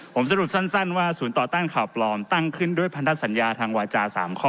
ผมสรุปสั้นว่าศูนย์ต่อต้านข่าวปลอมตั้งขึ้นด้วยพันธสัญญาทางวาจา๓ข้อ